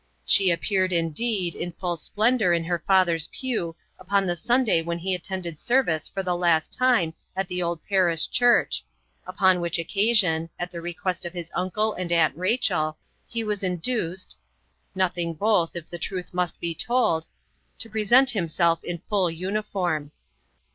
She appeared, indeed, in full splendour in her father's pew upon the Sunday when he attended service for the last time at the old parish church, upon which occasion, at the request of his uncle and Aunt Rachel, he was induced (nothing both, if the truth must be told) to present himself in full uniform.